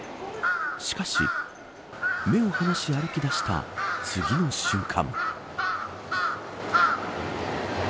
しかし、目を離し歩きだした次の瞬間。